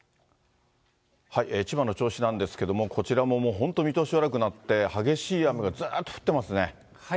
千葉の銚子なんですけれどもこちらももう本当、見通し悪くなって、激しい雨がずっと降ってますね。